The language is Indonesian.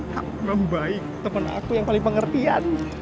tak membaik teman aku yang paling pengertian